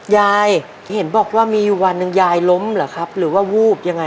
ยายเห็นบอกว่ามีวันนึงยายล้มหรือหรือว่าวู้บยังไง